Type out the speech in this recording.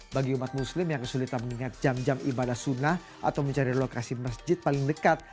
bagi umat muslim yang kesulitan mengingat jam jam ibadah sunnah atau mencari lokasi masjid paling dekat